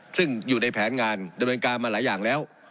ซึ่งอยู่ในแผนงานดำเนินการมาหลายอย่างแล้ว